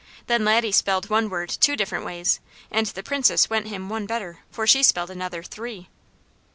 Then Laddie spelled one word two different ways; and the Princess went him one better, for she spelled another three.